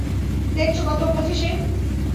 দেখেছো কত বোঝে সে?